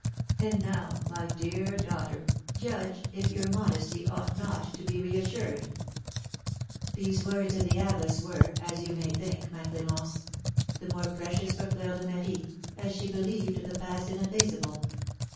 And now, my dear daughter, judge if your modesty ought not to be reassured." These words of the abbess were, as you may think, my Clémence, the more precious for Fleur de Marie, as she believed the past ineffaceable.